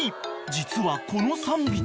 ［実はこの３匹］